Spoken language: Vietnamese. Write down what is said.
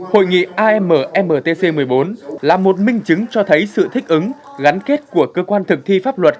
hội nghị ammtc một mươi bốn là một minh chứng cho thấy sự thích ứng gắn kết của cơ quan thực thi pháp luật